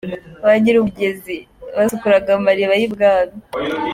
Banyirumugezi : Basukuraga amariba y’i Bwami.